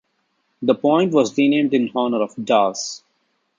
The point was renamed in honour of Dawes.